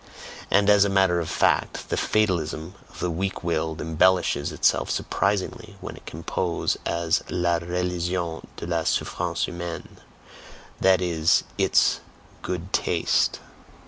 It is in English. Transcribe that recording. And as a matter of fact, the fatalism of the weak willed embellishes itself surprisingly when it can pose as "la religion de la souffrance humaine"; that is ITS "good taste."